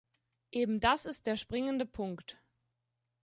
Eben das ist der springende Punkt!